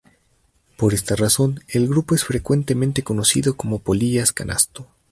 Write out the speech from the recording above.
Por esta razón, el grupo es frecuentemente conocido como polillas canasto.